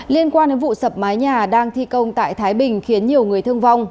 liên quan đến vụ sập mái nhà đang thi công tại thái bình khiến nhiều người thương vong